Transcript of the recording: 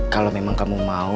kalo memang kamu mau